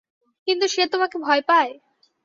কিন্তু সে তোমাকে ভয় পায়?